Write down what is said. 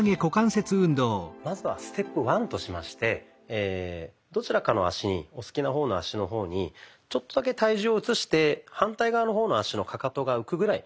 まずはステップワンとしましてどちらかの脚お好きな方の脚の方にちょっとだけ体重を移して反対側の方の脚のカカトが浮くぐらい。